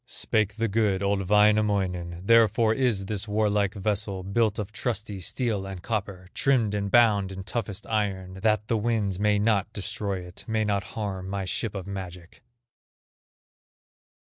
Spake the good, old Wainamoinen: "Therefore is this warlike vessel Built of trusty steel and copper, Trimmed and bound in toughest iron, That the winds may not destroy it, May not harm my ship of magic."